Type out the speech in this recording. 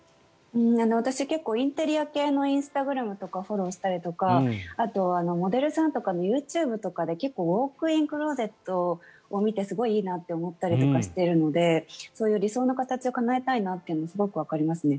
私、結構インテリア系のインスタグラムをフォローしたりとかあとモデルさんとかのＹｏｕＴｕｂｅで結構ウォークインクローゼットを見てすごいいいなと思ったりとかしているのでそういう理想の形をかなえたいというのはすごくわかりますね。